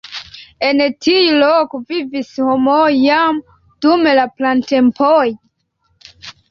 En tiu loko vivis homoj jam dum la pratempoj.